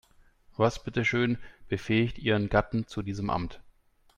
Was bitteschön befähigt ihren Gatten zu diesem Amt?